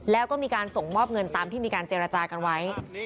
แล้วก็มีการส่งมอบเงินตามที่มีการเจรจากันไว้